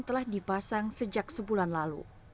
telah dipasang sejak sebulan lalu